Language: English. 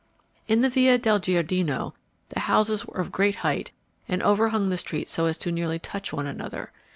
In the Via del Giardino the houses were of great height, and overhung the street so as nearly to touch one another.